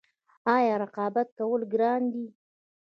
آیا رقابت کول ګران دي؟